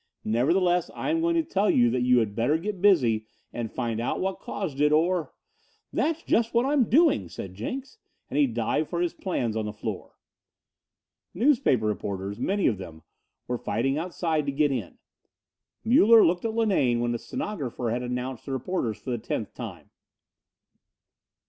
Nevertheless, I am going to tell you that you had better get busy and find out what caused it, or " "That's just what I'm doing," said Jenks, and he dived for his plans on the floor. Newspaper reporters, many of them, were fighting outside to get in. Muller looked at Linane when a stenographer had announced the reporters for the tenth time.